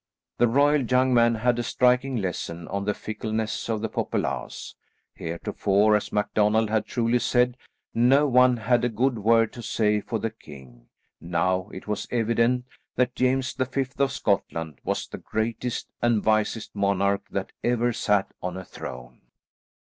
The royal young man had a striking lesson on the fickleness of the populace. Heretofore as MacDonald had truly said, no one had a good word to say for the king; now it was evident that James V. of Scotland was the greatest and wisest monarch that ever sat on a throne.